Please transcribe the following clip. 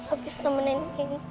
abis nemenin nyintan tante